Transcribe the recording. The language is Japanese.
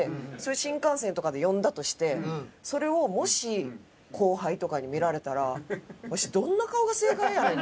新幹線とかで読んだとしてそれをもし後輩とかに見られたらわしどんな顔が正解やねん？